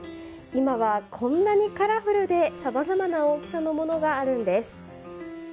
今は、こんなにカラフルでさまざまな大きさのものがあるんです。